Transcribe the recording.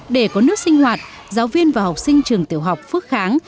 để có nước sinh hoạt giáo viên và học sinh trường tiểu học phước kháng